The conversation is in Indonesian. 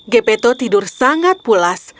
kepeto tidur sangat pulas